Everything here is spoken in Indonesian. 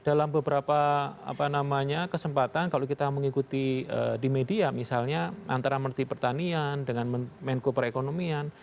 dalam beberapa kesempatan kalau kita mengikuti di media misalnya antara menteri pertanian dengan menko perekonomian